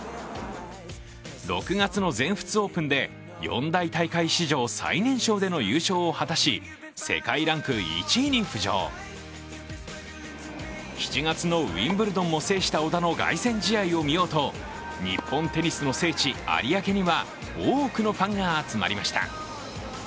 ６月の全仏オープンで、四大大会史上最年少での優勝を果たし、世界ランク１位に浮上、７月のウィンブルドンも制した小田の凱旋試合を見ようと、日本テニスの聖地・有明には多くのファンが集まりました。